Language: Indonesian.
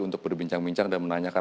untuk berbincang bincang dan menanyakan